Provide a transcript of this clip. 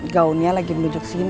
gaunnya lagi menunjuk sini